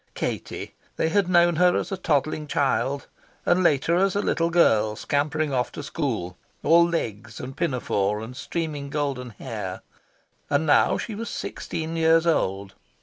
Katie! they had known her as a toddling child; and later as a little girl scampering off to school, all legs and pinafore and streaming golden hair. And now she was sixteen years old.